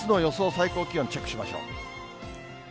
最高気温、チェックしましょう。